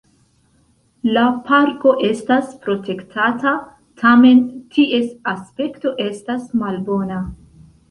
La parko estas protektata, tamen ties aspekto estas malbona.